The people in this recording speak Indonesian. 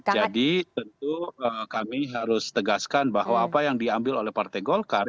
jadi tentu kami harus tegaskan bahwa apa yang diambil oleh partai golkar